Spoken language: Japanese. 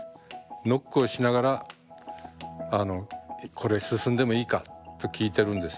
ノックをしながらあのこれ進んでもいいかと聞いてるんですよ。